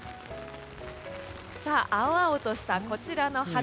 青々としたこちらの畑。